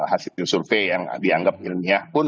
hasil survei yang dianggap ilmiah pun